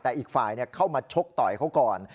แต่อีกฝ่ายเข้ามาชกต่อยเขาก่อน